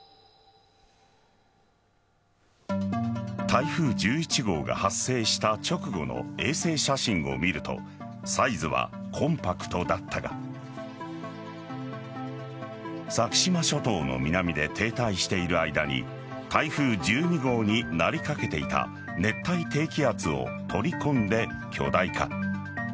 台風１１号が発生した直後の衛星写真を見るとサイズはコンパクトだったが先島諸島の南で停滞している間に台風１２号になりかけていた熱帯低気圧を取り込んで巨大化。